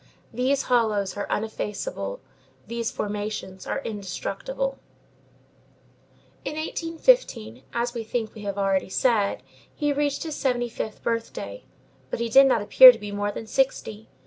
These hollows are uneffaceable; these formations are indestructible. In 1815, as we think we have already said, he reached his seventy fifth birthday, but he did not appear to be more than sixty.